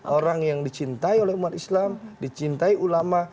orang yang dicintai oleh umat islam dicintai ulama